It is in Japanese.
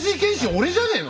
俺じゃねえの？